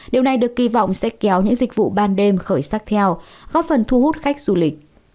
điều này được kỳ vọng sẽ kéo những dịch vụ ban đêm khởi sắc theo góp phần thu hút khách du lịch